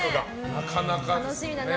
なかなかですね。